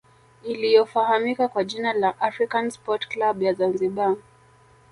iliyofahamika kwa jina la african sport club ya zanzibar